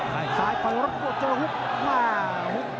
ซ้ายต่อรับกว่าจะละหุบหน้าหุบ